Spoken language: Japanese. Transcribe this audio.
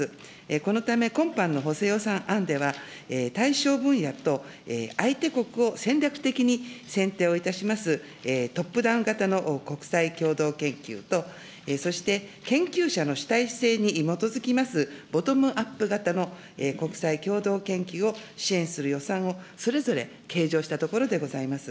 このため、今般の補正予算案では、対象分野と相手国を戦略的に選定をいたします、トップダウン型の国際共同研究と、そして研究者の主体性に基づきます、ボトムアップ型の国際共同研究を支援する予算をそれぞれ計上したところでございます。